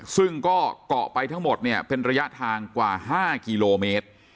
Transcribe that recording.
ซึ่งก็เกาะไปทั้งหมดเนี่ยเป็นระยะทางกว่า๕กิโลเมตร